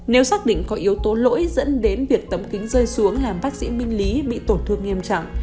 nếu xác định có yếu tố lỗi dẫn đến việc tấm kính rơi xuống làm bác sĩ minh lý bị tổn thương nghiêm trọng